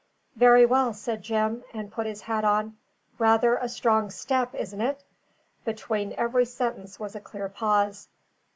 "Very well," said Jim, and put his hat on. "Rather a strong step, isn't it?" (Between every sentence was a clear pause.)